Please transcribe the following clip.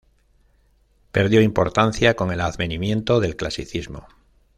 Perdió importancia con el advenimiento del clasicismo.